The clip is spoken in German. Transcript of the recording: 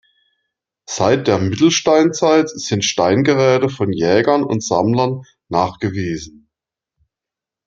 Seit der Mittelsteinzeit sind Steingeräte von Jägern und Sammlern nachgewiesen.